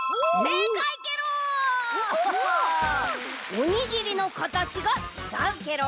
おにぎりのかたちがちがうケロ。